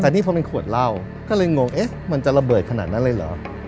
แต่นี่พอเป็นขวดเหล้าก็เลยงงเอ๊ะมันจะระเบิดขนาดนั้นเลยเหรอ